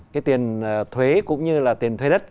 cái tiền thuế cũng như là tiền thuê đất